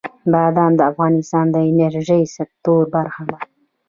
بادام د افغانستان د انرژۍ سکتور برخه ده.